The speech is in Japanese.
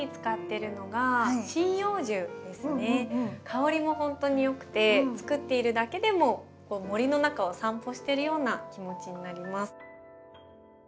香りもほんとによくて作っているだけでも森の中を散歩してるような気持ちになります。